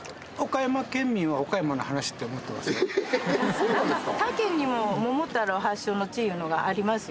そうなんですか？